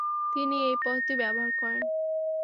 তিনি এই পদ্ধতি ব্যবহার করেন।